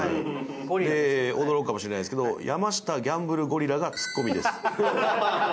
驚くかもしれないですけど、山下ギャンブルゴリラがツッコミです。